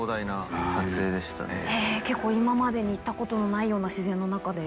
結構今までに行ったことのないような自然の中で。